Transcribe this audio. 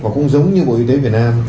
và cũng giống như bộ y tế việt nam